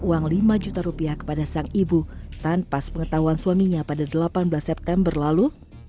uang lima juta rupiah kepada sang ibu tanpa sepengetahuan suaminya pada delapan belas september lalu